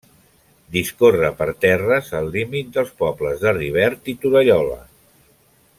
Discorre per terres al límit dels pobles de Rivert i Torallola.